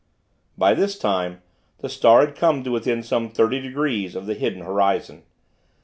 By this time, the star had come to within some thirty degrees of the hidden horizon.